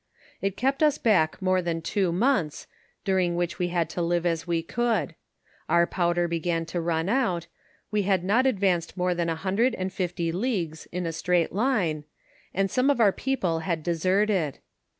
It kept us back more than two months, duiing which we had to live as we could ; our powder began to run out; we had not advanced more than a hundred and fifty leagues in a straight line, and some of our people had de sorted.